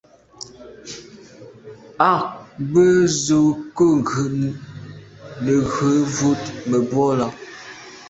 À be z’o kô neghù wut mebwô là.